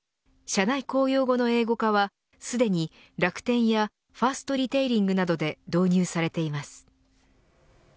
社内公用語の英語化はすでに楽天やファーストリテイリングなどで導入されています。